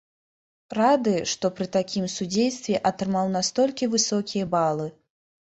Рады, што пры такім судзействе атрымаў настолькі высокія балы.